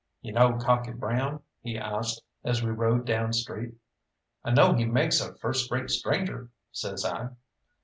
"You know Cocky Brown?" he asked, as we rode down street. "I know he makes a first rate stranger," says I.